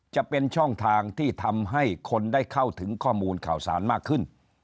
จะเป็นช่องทางที่ทำให้คนได้เข้าถึงข้อมูลข่าวสารมากขึ้น